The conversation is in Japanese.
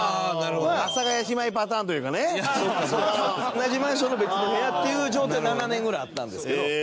同じマンションの別の部屋っていう状態は７年ぐらいあったんですけど。